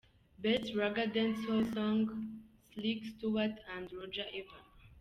Best Ragga Dancehall Song: Slick Stuart & Roja – Eva.